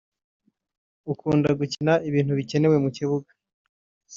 ukunda gukina ibintu bikenewe mu kibuga